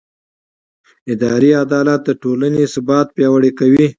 اداري عدالت د ټولنې ثبات پیاوړی کوي.